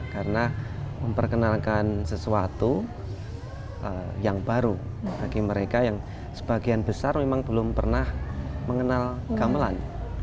karena memperkenalkan sesuatu yang baru bagi mereka yang sebagian besar memang belum pernah mengenal gamelan